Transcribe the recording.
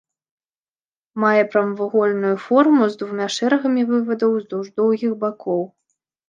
Мае прамавугольную форму з двума шэрагамі вывадаў уздоўж доўгіх бакоў.